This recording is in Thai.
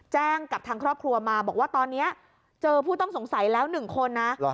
แจ้งกับทางครอบครัวมาบอกว่าตอนนี้เจอผู้ต้องสงสัยแล้ว๑คนนะ